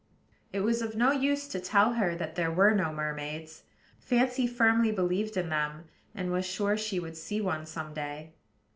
It was of no use to tell her that there were no mermaids: Fancy firmly believed in them, and was sure she would see one some day.